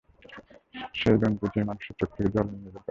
সেই জন্তু যে মানুষের চোখ থেকে জল নিংড়ে বের করে।